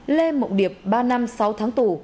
lê mộng điệt